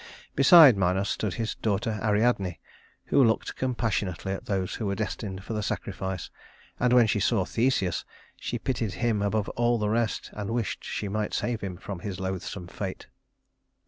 Beside Minos stood his daughter Ariadne, who looked compassionately at those who were destined for the sacrifice, and when she saw Theseus, she pitied him above all the rest, and wished she might save him from his loathsome fate.